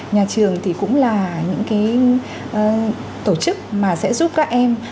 nhà trường thì cũng là những cái tổ chức mà sẽ giúp các em